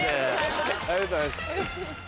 ありがとうございます。